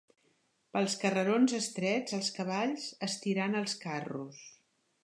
Pels carrerons estrets, els cavalls, estirant els carros